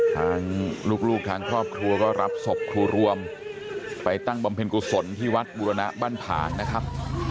ทางลูกทางครอบครัวก็รับศพครูรวมไปตั้งบำเพ็ญกุศลที่วัดบุรณะบ้านผางนะครับ